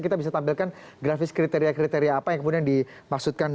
kita bisa tampilkan grafis kriteria kriteria apa yang kemudian dimaksudkan